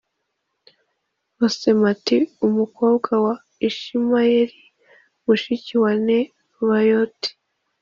Basemati i umukobwa wa ishimayeli mushiki wa nebayoti